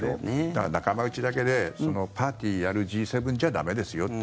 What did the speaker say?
だから仲間内だけでパーティーやるＧ７じゃ駄目ですよと。